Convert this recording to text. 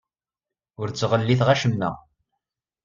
Ur ttɣelliteɣ acemma.